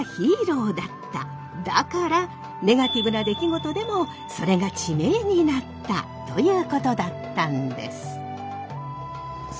だからネガティブな出来事でもそれが地名になったということだったんです。